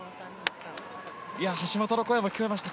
橋本の声も聞こえました。